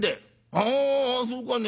「ああそうかね。